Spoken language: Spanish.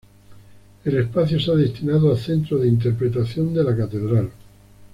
El espacio se ha destinado a Centro de interpretación de la catedral.